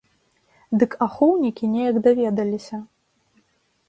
Дык ахоўнікі неяк даведаліся.